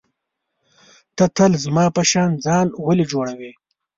ته تل زما په شان ځان ولي جوړوې.